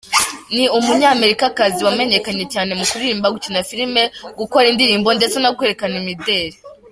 Ni umunyamerikakazi wamenyekanye cyane mu kuririmba, gukina filimi, gukora indirimbo ndetse no kwerekana imideri.